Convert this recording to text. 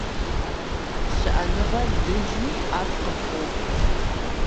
Шыӏэныгъэр дыджми, ӏэфӏ къыпокӏуэ.